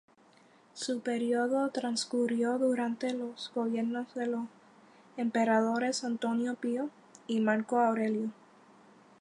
Su período transcurrió durante los gobiernos de los emperadores Antonio Pío y Marco Aurelio.